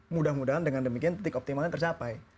mudah mudahan dengan demikian titik optimalnya tercapai